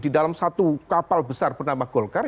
di dalam satu kapal besar bernama golkar